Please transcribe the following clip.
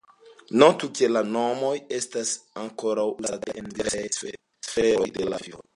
Notu ke la nomoj estas ankoraŭ uzataj en diversaj sferoj de la vivo.